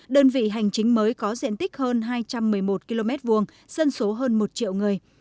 đơn vị hành chính mới có diện tích hơn hai trăm một mươi một km hai dân số hơn một triệu người